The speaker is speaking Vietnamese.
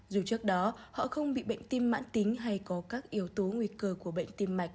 dù trước đó họ không bị bệnh tim mãn tính hay có các yếu tố nguy cơ của bệnh tim mạch